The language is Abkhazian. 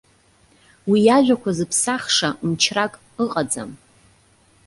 Уи иажәақәа зыԥсахша мчрак ыҟаӡам.